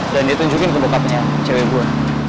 dan dia tunjukin ke bokapnya cewek gue